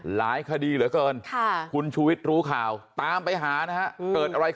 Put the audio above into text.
หลายคดีเหลือเกินคุณชูวิทย์รู้ข่าวตามไปหานะฮะ